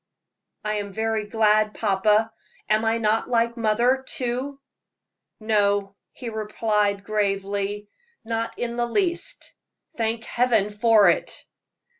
"I am very glad, papa; am I not like mother, too?" "No," he replied, gravely, "not in the least. Thank Heaven for it!"